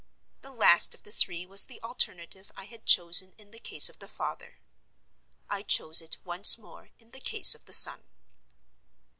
The last of the three was the alternative I had chosen in the case of the father. I chose it once more in the case of the son.